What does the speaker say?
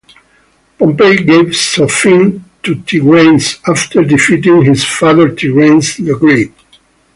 Pompey gave Sophene to Tigranes, after defeating his father Tigranes the Great.